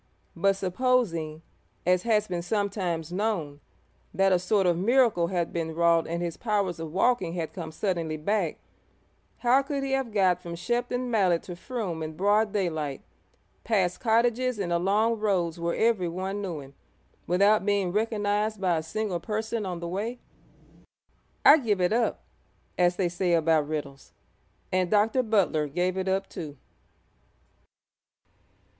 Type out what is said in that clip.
But supposing, as has been sometimes known, that a sort of miracle had been wrought and his powers of walking had come suddenly back, how could he have got from Shepton Mallet to Frome in broad daylight, past cottages and along roads where everyone knew him, without being recognised by a single person on the way? 'I give it up,' as they say about riddles; and Dr. Butler 'gave it up,' too.